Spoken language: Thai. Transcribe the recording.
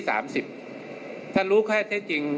ถ้าท่านรู้แค่เท็จจริง